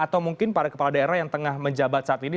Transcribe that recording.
atau mungkin para kepala daerah yang tengah menjabat saat ini